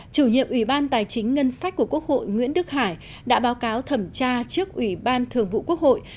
chủ nhiệm ủy ban tài chính ngân sách của quốc hội nguyễn đức hải đã báo cáo thẩm tra trước ủy ban thường vụ quốc hội